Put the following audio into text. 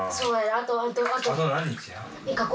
あと何日や？